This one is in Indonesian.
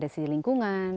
dari sisi lingkungan